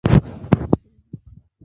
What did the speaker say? ایا زه باید قرباني وکړم؟